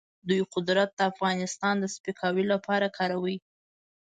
دوی قدرت د افغانستان د سپکاوي لپاره کاروي.